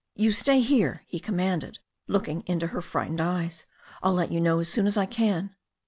"You stay here," he commanded, looking into her fright ened eyes. "I'll let you know as soon as I can."